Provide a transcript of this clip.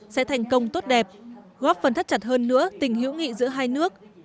sẽ thành công tốt đẹp góp phần thắt chặt hơn nữa tình hữu nghị giữa hai nước